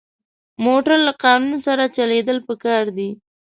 موټر له قانون سره چلېدل پکار دي.